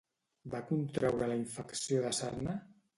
Va contraure la infecció de sarna?